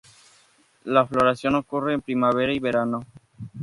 La floración ocurre en primavera y verano.